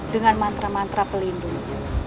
dengan mantra mantra pelindung